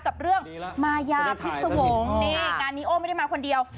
กับเรื่องมายาพิษวงศ์นี่งานนี้โอ้ไม่ได้มาคนเดียว